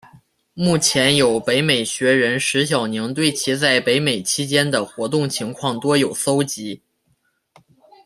目前有北美学人石晓宁对其在北美期间的活动情况多有搜辑。